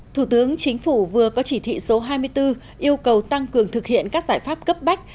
thủ tướng chính phủ vừa có chỉ thị số hai mươi bốn yêu cầu tăng cường thực hiện các giải pháp cấp bách